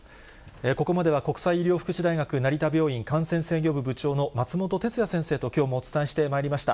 ここまでは国際医療福祉大学成田病院感染制御部部長の松本哲哉先生ときょうもお伝えしてまいりました。